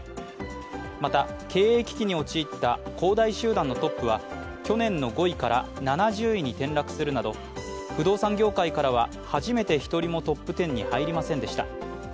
また、経営危機に陥った恒大集団のトップは去年の５位から７０位に転落するなど不動産業界からは初めて１人もトップ１０に入りませんでした。